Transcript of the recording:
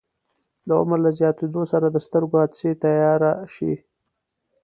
د عمر له زیاتیدو سره د سترګو عدسیې تیاره شي.